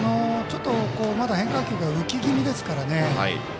ちょっとまだ変化球が浮き気味ですからね。